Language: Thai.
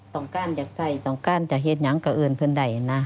การอยากใส่ต้องการจะเหตุอย่างกับเอิญเพื่อนใดนะ